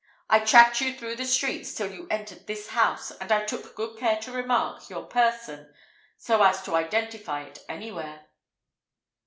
I tracked you through the streets till you entered this house, and I took good care to remark your person so as to identify it anywhere."